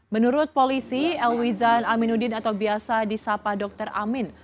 menurut polisi elwizan aminuddin atau biasa disapa dr amin